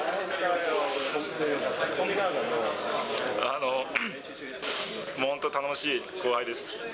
あの、もう本当、頼もしい後輩です。